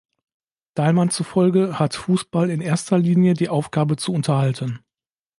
Dahlmann zufolge hat Fußball in erster Linie die Aufgabe zu unterhalten.